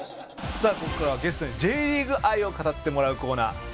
さあここからはゲストにＪリーグ愛を語ってもらうコーナー。